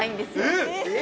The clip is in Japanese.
◆えっ！